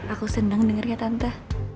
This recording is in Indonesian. aku seneng denger ya tante